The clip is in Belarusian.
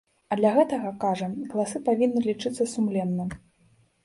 А для гэтага, кажа, галасы павінны лічыцца сумленна.